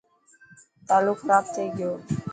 تالو خراب ٿي گيو.